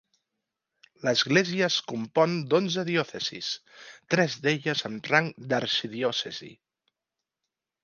L'Església es compon d'onze diòcesis, tres d'elles amb rang d'arxidiòcesi.